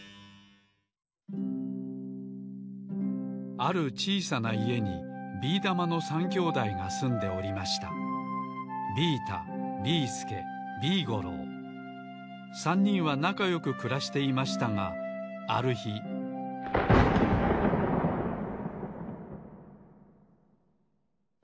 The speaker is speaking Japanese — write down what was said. あるちいさないえにビーだまの３兄弟がすんでおりました３にんはなかよくくらしていましたがあるひゴロゴロ。